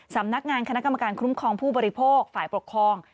สำนักงานคณะกรรมการคุ้มครองผู้บริโภคฝ่ายปกครอง